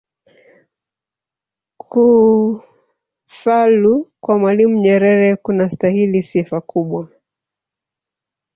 kufalu kwa mwalimu nyerere kunastahili sifa kubwa